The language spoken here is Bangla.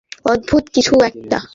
অদ্ভুত কিছু একটার!